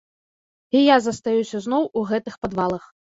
І я застаюся зноў у гэтых падвалах.